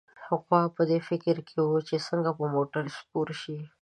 غوا په دې فکر کې وه چې څنګه په موټر کې سپور شي.